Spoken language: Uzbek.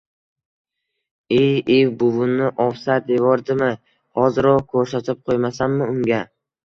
Iy, iy! Buvimni “ovsar” devordimi?! Hoziroq ko‘rsatib qo‘ymasammi unga!